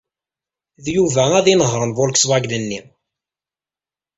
D Yuba ad inehṛen Volkswagen-nni.